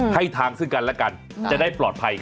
ให้ทางซึ่งกันและกันจะได้ปลอดภัย